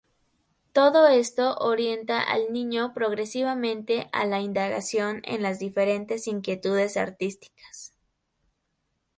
Todo esto orienta al niño progresivamente a la indagación en las diferentes inquietudes artísticas.